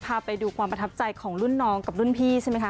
พาไปดูความประทับใจของรุ่นน้องกับรุ่นพี่ใช่ไหมคะ